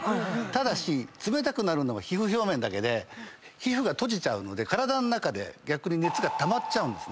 ただし冷たくなるのは皮膚表面だけで皮膚が閉じちゃうので体の中で逆に熱がたまっちゃうんですね。